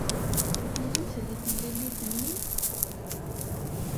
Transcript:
Tellamt deg temlilit-nni?